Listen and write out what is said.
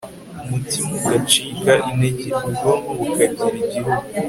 umutima ugacika intege ubwonko bukagira igihu